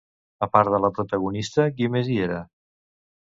A part de la protagonista, qui més hi era?